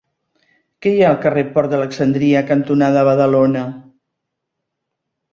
Què hi ha al carrer Port d'Alexandria cantonada Badalona?